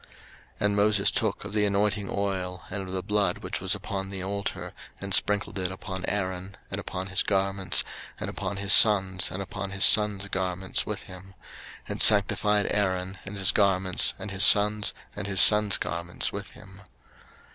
03:008:030 And Moses took of the anointing oil, and of the blood which was upon the altar, and sprinkled it upon Aaron, and upon his garments, and upon his sons, and upon his sons' garments with him; and sanctified Aaron, and his garments, and his sons, and his sons' garments with him.